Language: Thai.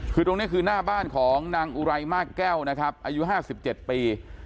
คือตรงนี้คือหน้าบ้านของนางอุไรมากแก้วนะครับอายุ๕๗ปี